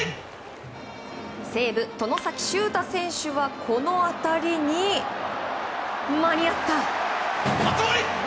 西武、外崎修汰選手はこの当たりに間に合った！